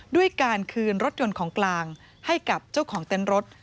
ด้วยการคืนรถยนต์ของกลางให้กับเจ้าของเต้นรถ